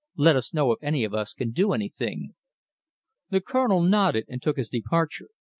"Let us know if any of us can do anything." The Colonel nodded and took his departure.